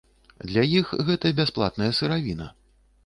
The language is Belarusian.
Для іх гэта бясплатная сыравіна.